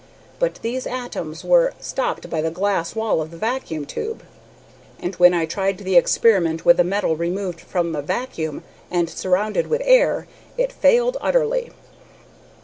But these atoms were stopped by the glass wall of the vacuum tube; and when I tried the experiment with the metal removed from the vacuum, and surrounded with air, it failed utterly.